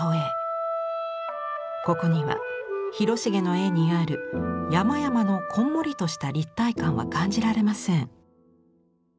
ここには広重の絵にある山々のこんもりとした立体感は感じられません。